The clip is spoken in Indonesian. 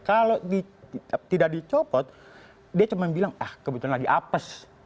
kalau tidak dicopot dia cuma bilang ah kebetulan lagi apes